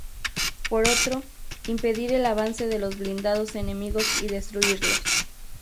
Por otro, impedir el avance de los blindados enemigos y destruirlos.